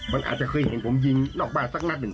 มันอาจจะเคยเห็นผมยิงนอกบ้านสักนัดหนึ่ง